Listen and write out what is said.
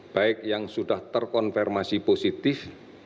baik yang sudah terkonfirmasi positif